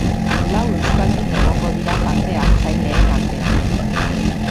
Lau euskaldun egongo dira parte hartzaileen artean.